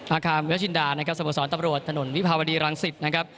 อาคารเวลาชินดาสมสรรค์ตำรวจถนนวิพาวดีรังศิษย์